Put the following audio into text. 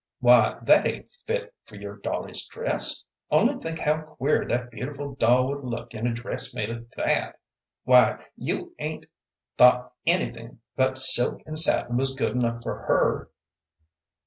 "Why, that ain't fit for your dolly's dress. Only think how queer that beautiful doll would look in a dress made of that. Why, you 'ain't thought anything but silk and satin was good enough for her."